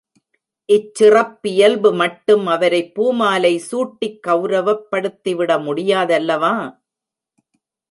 இச் சிறப்பியல்பு மட்டும் அவரைப் பூமாலை சூட்டிக் கவுரவப்படுத்திவிட முடியாதல்லவா?